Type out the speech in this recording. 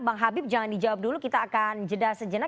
bang habib jangan dijawab dulu kita akan jeda sejenak